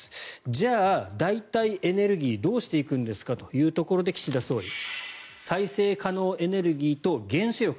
じゃあ、代替エネルギーどうしていくんですかということで岸田総理再生可能エネルギーと原子力